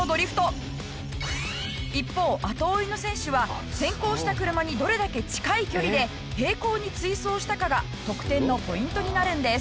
一方後追いの選手は先行した車にどれだけ近い距離で平行に追走したかが得点のポイントになるんです。